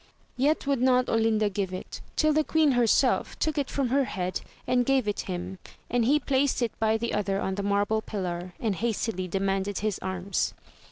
Yet would not Olinda give it, till the queen herself took it from her head and gave it him, and he placed it by the other on the marble pillar, and hastily demanded his arms.